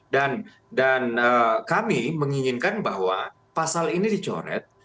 dan kami menginginkan bahwa pasal ini dicoret